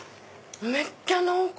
めっちゃ濃厚！